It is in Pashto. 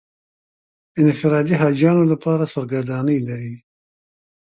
انفرادي حاجیانو لپاره سرګردانۍ لري.